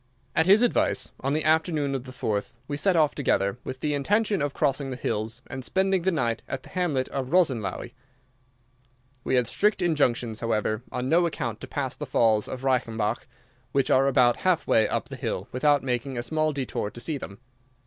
At his advice, on the afternoon of the 4th we set off together, with the intention of crossing the hills and spending the night at the hamlet of Rosenlaui. We had strict injunctions, however, on no account to pass the falls of Reichenbach, which are about half way up the hill, without making a small détour to see them.